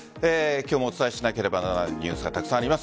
今日もお伝えしなければならないニュースがたくさんあります。